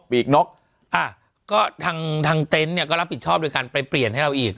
ปีกนกอ่ะก็ทางทางเต็นต์เนี่ยก็รับผิดชอบโดยการไปเปลี่ยนให้เราอีก